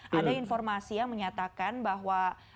di indonesia bahwa ada informasi yang menyatakan bahwa